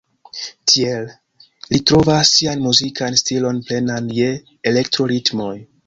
Tiel, li trovas sian muzikan stilon plenan je elektro-ritmoj.